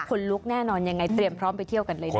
คนลุกแน่นอนยังไงเตรียมพร้อมไปเที่ยวกันเลยนะ